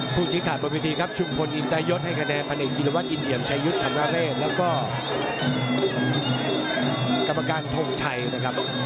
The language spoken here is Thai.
ผู้ชิงขาดบนพิธีครับชุมพลอิตยศให้คะแนนพะเนกยิรวรรดิอินเหยียมชายุทธ์ธรรมาเลแล้วก็กรรมการทงชัยนะครับ